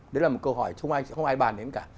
đấy là một câu hỏi không ai bàn đến cả